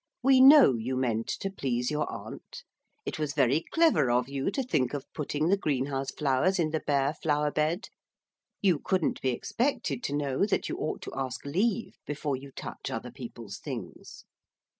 We know you meant to please your aunt. It was very clever of you to think of putting the greenhouse flowers in the bare flower bed. You couldn't be expected to know that you ought to ask leave before you touch other people's things.'